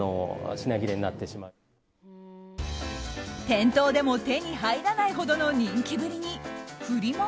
店頭でも手に入らないほどの人気ぶりにフリマ